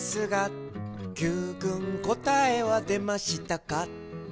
「Ｑくんこたえはでましたか？」